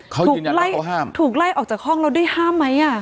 เขายืนยันว่าเขาห้ามถูกไล่ออกจากห้องเราได้ห้ามไหมอ่ะ